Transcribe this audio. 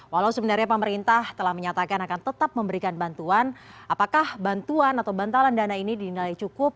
walau sebenarnya pemerintah telah menyatakan akan tetap memberikan bantuan apakah bantuan atau bantalan dana ini dinilai cukup